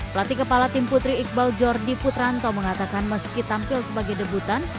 pelatih kepala tim putri iqbal jordi putranto mengatakan meski tampil sebagai debutan